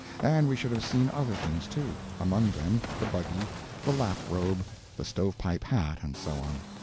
And we should have seen other things, too; among them the buggy, the lap robe, the stove pipe hat, and so on.